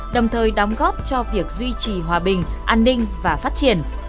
đồng thời đóng góp cho việc duy trì hòa bình an ninh và phát triển